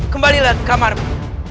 kembalilah ke kamarmu